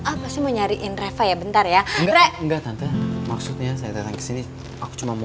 apa sih mau nyariin reva ya bentar ya enggak tante maksudnya saya datang ke sini aku cuma mau